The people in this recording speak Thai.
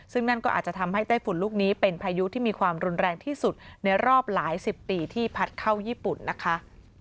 ซึ่งนั่นก็อาจจะทำให้ไต้ฝุ่นลูกนี้เป็นพายุที่มีความรุนแรงที่สุดในรอบหลายสิบปีที่พัดเข้าญี่ปุ่นนะคะ